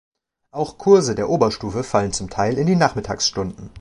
Auch Kurse der Oberstufe fallen zum Teil in die Nachmittagsstunden.